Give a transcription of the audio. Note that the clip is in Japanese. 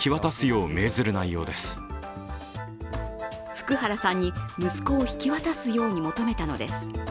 福原さんに息子を引き渡すように求めたのです。